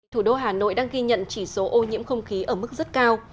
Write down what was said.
thủ đô hà nội đang ghi nhận chỉ số ô nhiễm không khí ở mức rất cao